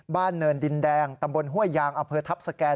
เนินดินแดงตำบลห้วยยางอเภอทัพสแกน